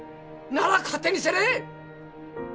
なら勝手にせんね！